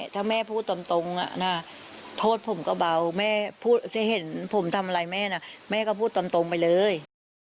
ถ้าแม่พูดตรงโทษผมก็เบาแม่พูดจะเห็นผมทำอะไรแม่นะแม่ก็พูดตรงไปเลย